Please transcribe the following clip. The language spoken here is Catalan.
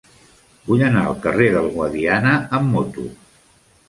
Vull anar al carrer del Guadiana amb moto.